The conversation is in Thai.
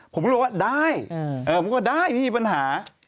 ผมก็บอกว่าได้ไม่มีปัญหา